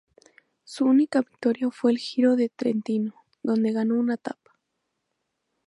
Su única victoria fue en el Giro del Trentino, donde ganó una etapa.